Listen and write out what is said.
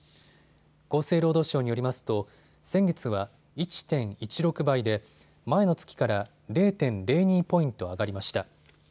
厚生労働省によりますと先月は１．１６倍で前の月から０．０２ポイント上がりました。